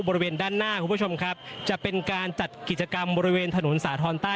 บริเวณด้านหน้าคุณผู้ชมครับจะเป็นการจัดกิจกรรมบริเวณถนนสาธรณ์ใต้